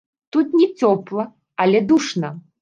Тут не цёпла, але душна.